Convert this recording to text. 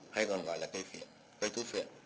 hay còn gọi là cây thúc viện